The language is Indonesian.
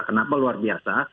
kenapa luar biasa